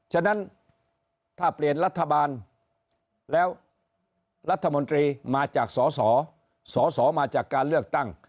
ฉะนั้นถ้าเปลี่ยนรัฐบาลแล้วรัฐมนตรีมาจากสสมาจากการเลือกตั้ง